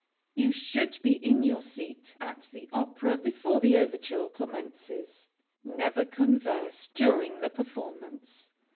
You should be in your seat at the opera before the overture commences. Never converse during the performance.